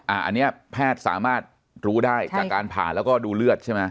อันนี้แพทย์สามารถรู้ได้จากการผ่าแล้วก็ดูเลือดใช่ไหม